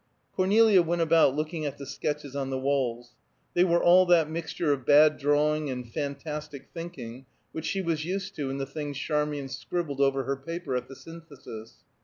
Cornelia went about looking at the sketches on the walls; they were all that mixture of bad drawing and fantastic thinking which she was used to in the things Charmian scribbled over her paper at the Synthesis.